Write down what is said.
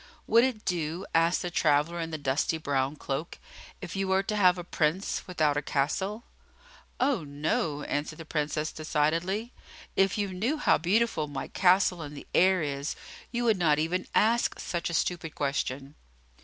"Would it do," asked the traveller in the dusty brown cloak, "if you were to have a Prince without a castle?" "Oh, no!" answered the Princess, decidedly. "If you knew how beautiful my castle in the air is, you would not even ask such a stupid question!"